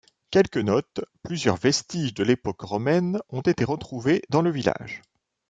Quelques notes — Plusieurs vestiges de l’époque romaine ont été retrouvés dans le village.